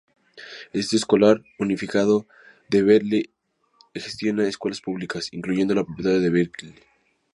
El Distrito Escolar Unificado de Berkeley gestiona escuelas públicas, incluyendo la Preparatoria de Berkeley.